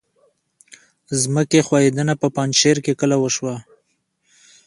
ځمکې ښویدنه په پنجشیر کې کله وشوه؟